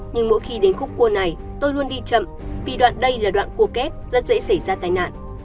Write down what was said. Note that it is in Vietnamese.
nhưng mỗi khi đến khúc cua này tôi luôn đi chậm vì đoạn đây là đoạn cua kép rất dễ xảy ra tai nạn